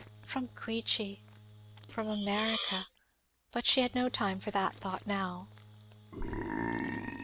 From Queechy! From America! But she had no time for that thought now.